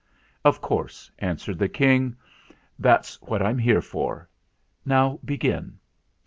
"Of course," answered the King; "that's what I'm here for. Now begin."